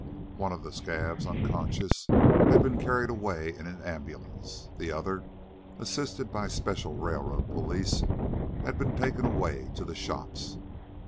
One of the scabs, unconscious, had been carried away in an ambulance; the other, assisted by special railroad police, had been taken away to the shops.